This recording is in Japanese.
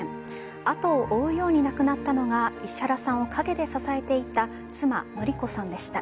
後を追うように亡くなったのが石原さんを陰で支えていた妻・典子さんでした。